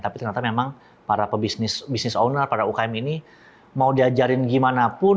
tapi ternyata memang para pebisnis bisnis owner para ukm ini mau diajarin gimana pun